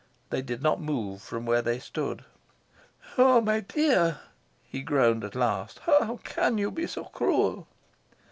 They did not move from where they stood. "Oh, my dear," he groaned at last, "how can you be so cruel?"